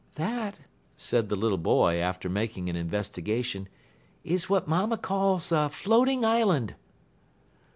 "That," said the little boy, after making an investigation, "is what mamma calls a floating island."